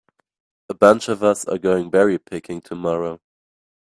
A bunch of us are going berry picking tomorrow.